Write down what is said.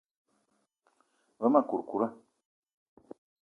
Ve ma kourkoura.